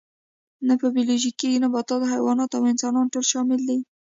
نه په بیولوژي کې نباتات حیوانات او انسانان ټول شامل دي